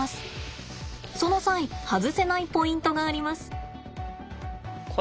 その際外せないポイントがあります。